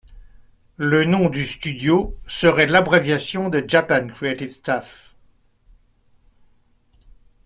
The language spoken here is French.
Le nom du studio serait l'abréviation de Japan Creative Staff.